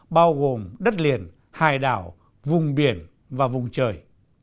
bao gồm đất liền hải đảo vùng biển và vùng trời